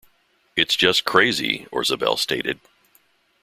It's just crazy, Orzabal stated.